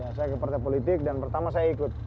ya saya ke partai politik dan pertama saya ikut